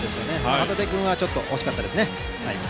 旗手君はちょっと惜しかったですね。